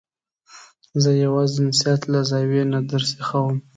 زه یې یوازې د نصحت له زاویې نه درسیخوم.